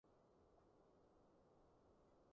搜尋結果